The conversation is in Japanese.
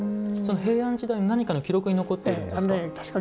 平安時代の何かの記録に残っているんですか？